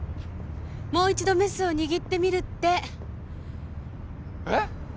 もう一度メスを握ってみるってえッ！？